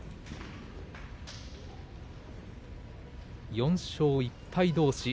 ４勝１敗どうし